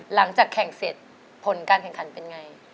หลังจากแข่งเสร็จผลการแข่งขันเป็นไง